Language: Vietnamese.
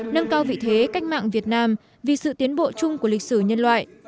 nâng cao vị thế cách mạng việt nam vì sự tiến bộ chung của lịch sử nhân loại